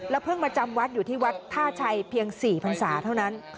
เพิ่งมาจำวัดอยู่ที่วัดท่าชัยเพียง๔พันศาเท่านั้น